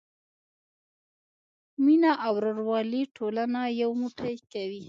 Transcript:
مینه او ورورولي ټولنه یو موټی کوي.